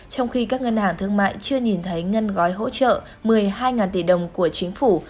trong khi các ngân hàng thương mại chưa nhìn thấy ngân gói hỗ trợ một mươi hai tỷ đồng của chính phủ